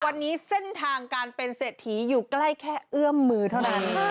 วันนี้เส้นทางการเป็นเศรษฐีอยู่ใกล้แค่เอื้อมมือเท่านั้น